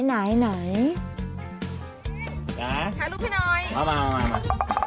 ขายลูกให้หน่อยมา